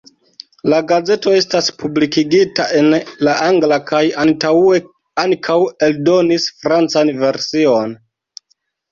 La gazeto estas publikigita en la angla kaj antaŭe ankaŭ eldonis francan version.